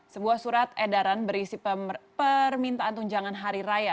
sebuah surat edaran berisi permintaan tunjangan hari raya